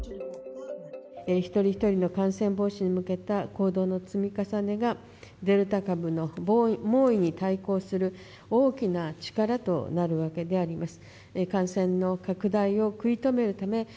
一人一人の感染防止に向けた行動の積み重ねが、デルタ株の猛威に対抗する大きな力となるわけであります。